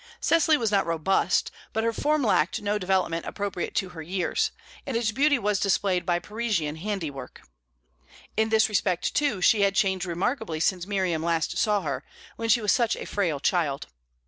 Cecily was not robust, but her form lacked no development appropriate to her years, and its beauty was displayed by Parisian handiwork. In this respect, too, she had changed remarkably since Miriam last saw her, when she was such a frail child.